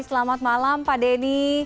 selamat malam pak denny